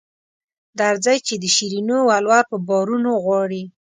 درځئ چې د شیرینو ولور په بارونو غواړي.